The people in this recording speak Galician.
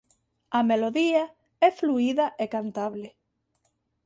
A melodía é fluída e cantable.